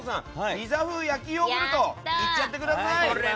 ピザ風焼きヨーグルトいっちゃってください！